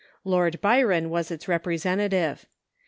Lord Byron was its representative.